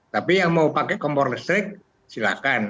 tapi yang mau pakai kompor listrik silahkan